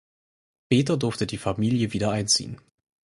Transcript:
Später durfte die Familie wieder einziehen.